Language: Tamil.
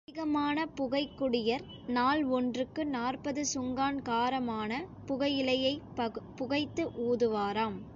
அதிகமான புகைக் குடியர், நாள் ஒன்றுக்கு நாற்பது சுங்கான் காரமான புகையிலையைப் புகைத்து ஊதுவாராம்.